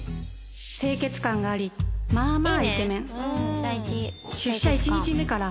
清潔感がありまあまあイケメン